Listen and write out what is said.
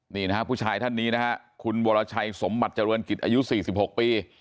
นี่นะฮะผู้ชายท่านนี้นะฮะคุณวรชัยสมบัติเจริญกิจอายุ๔๖ปี